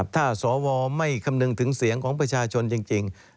ถ้าสวไม่คำนึงถึงเสียงของประชาชนจริง